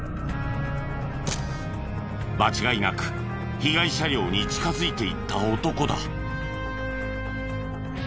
間違いなく被害車両に近づいていった男だ。